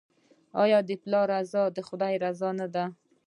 آیا د پلار رضا د خدای رضا نه ده؟